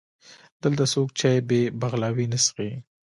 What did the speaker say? دلته څوک چای بې بغلاوې نه څښي.